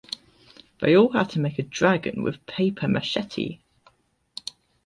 They all had to make a dragon with papier-mâché.